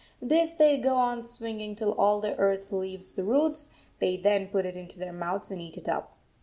This they go on swinging till all the earth leaves the roots; they then put it into their mouths and eat it up.